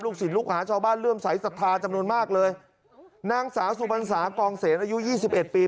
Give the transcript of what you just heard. ศิลปลูกหาชาวบ้านเริ่มสายศรัทธาจำนวนมากเลยนางสาวสุพรรษากองเสนอายุยี่สิบเอ็ดปี